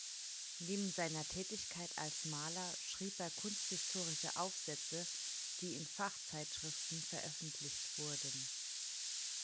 Neben seiner Tätigkeit als Maler schrieb er kunsthistorische Aufsätze, die in Fachzeitschriften veröffentlicht wurden.